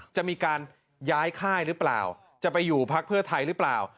จะมีการย้ายค่ายหรือเปล่าจะไปอยู่พักเพื่อไทยหรือเปล่า